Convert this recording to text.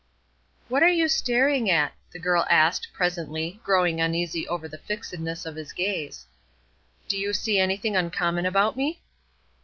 "What are you staring at?" the girl asked, presently, growing uneasy over the fixedness of his gaze. "Do you see anything uncommon about me?"